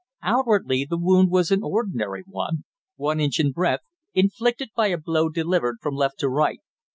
Outwardly, the wound was an ordinary one, one inch in breadth, inflicted by a blow delivered from left to right.